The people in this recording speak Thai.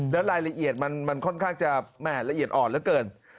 แล้วรายละเอียดมันค่อนข้างจะแหม่ละเอียดอ่อนเหลือเกิน